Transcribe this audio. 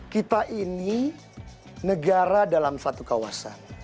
kita ini negara dalam satu kawasan